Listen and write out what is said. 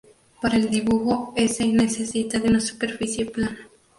Para el dibujo s necesita de una superficie plana.